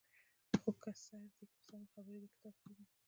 خو څه سر دې ګرځوم خبرې د کتاب ښې دي.